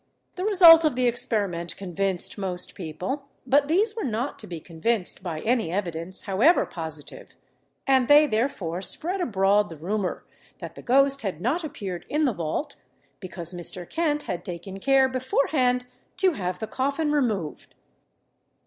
The result of the experiment convinced most people; but these were not to be convinced by any evidence, however positive, and they therefore spread abroad the rumour, that the ghost had not appeared in the vault because Mr. Kent had taken care beforehand to have the coffin removed.